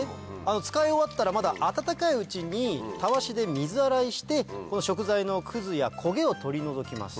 使い終わったらまだ温かいうちにたわしで水洗いして食材のくずや焦げを取り除きます。